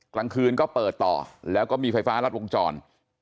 กลางคืนก็เปิดต่อแล้วก็มีไฟฟ้ารัดวงจร